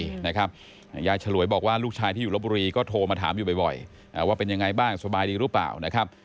ยายฉลวยบอกว่าลูกชายที่อยู่ลบบุรีก็โทรมาถามอยู่บ่อยว่าเป็นยังไงบ้างสบายดีหรือเปล่านะครับ